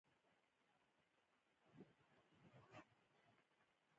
سیلابونه د افغانستان د اقلیم یوه بله ځانګړتیا ده.